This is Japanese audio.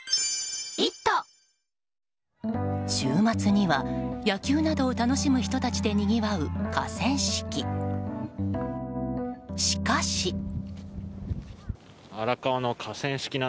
週末には野球などを楽しむ人たちでにぎわう河川敷。